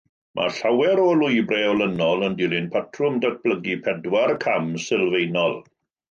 Mae llawer o lwybrau olynol yn dilyn patrwm datblygu pedwar cam sylfaenol.